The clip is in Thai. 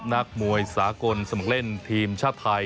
นักมวยสากลสมัครเล่นทีมชาติไทย